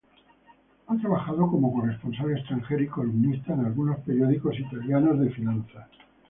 Ha trabajado como corresponsal extranjero y columnista en algunos periódicos italianos de finanzas.